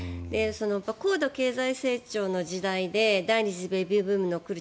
高度経済成長の時代で第２次ベビーブームが来る